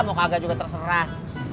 mau kagak juga terserah